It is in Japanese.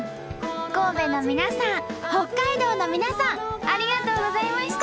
神戸の皆さん北海道の皆さんありがとうございました。